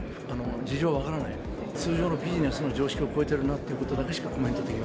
事情は分からない、通常のビジネスの常識を超えてるなということしかコメントでき